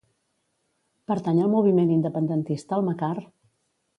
Pertany al moviment independentista el Macar?